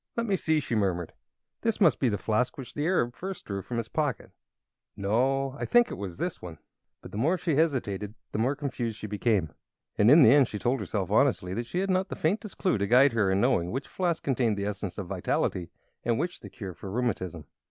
"Let me see," she murmured; "this must be the flask which the Arab first drew from his pocket. No I think this was the one." But the more she hesitated the more confused she became, and in the end she told herself honestly that she had not the faintest clue to guide her in knowing which flask contained the Essence of Vitality and which the cure for rheumatism.